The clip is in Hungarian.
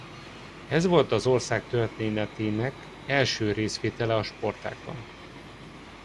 Ez volt az ország történetének első részvétele a sportágban.